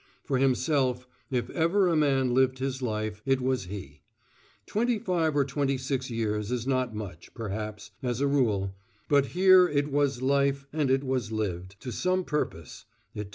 For himself, if ever a man lived his life, it was he; twenty five or twenty six years is not much, perhaps, as a rule, but here it was life and it was lived to some purpose; it told and it is not lost."